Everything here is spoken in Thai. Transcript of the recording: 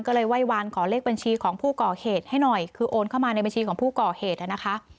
ก็เลยไหว้วานขอเลขบัญชีของผู้ก่อเหตุให้หน่อยคือโอนเข้ามาในบัญชีของผู้ก่อเหตุนะคะ